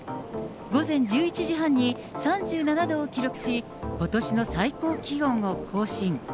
午前１１時半に３７度を記録し、ことしの最高気温を更新。